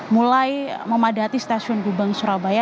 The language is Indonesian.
mulai memadati stasiun gubeng surabaya